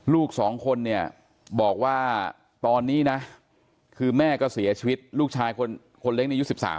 ลูก๒คนเนี่ยบอกว่าตอนนี้นะคือแม่ก็เสียชีวิตลูกชายคนเล็กในยุค๑๓